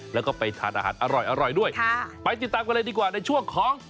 แล้วก็ไปทานอาหารอร่อยด้วยค่ะไปติดตามกันเลยดีกว่าในช่วงของ